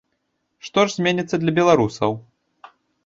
Што ж зменіцца для беларусаў?